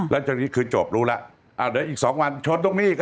แล้วจากนี้คือจบรู้ล่ะเดี๋ยวอีก๒วันชนตรงนี้